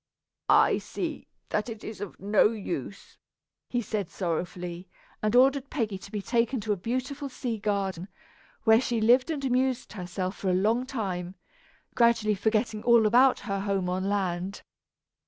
"I see that it is of no use," he said sorrowfully, and ordered Peggy to be taken to a beautiful sea garden, where she lived and amused herself for a long time, gradually forgetting all about her home on land.